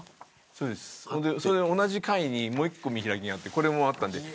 そんで同じ回にもう一個見開きがあってこれもあったんで。